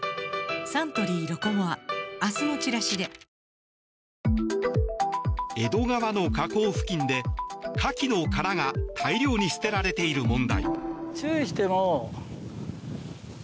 サントリー「ロコモア」明日のチラシで江戸川の河口付近でカキの殻が大量に捨てられている問題。